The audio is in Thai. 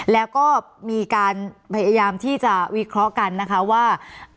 แล้วก็มีการพยายามที่จะวิเคราะห์กันนะคะว่า